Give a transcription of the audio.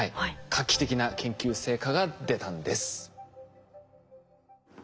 画期的な研究成果が出たんです。